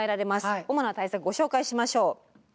主な対策ご紹介しましょう。